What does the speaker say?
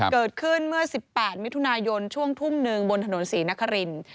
เกิดขึ้นเมื่อ๑๘วิทยุนายนช่วงทุ่ม๑บนถนน๔นครินทร์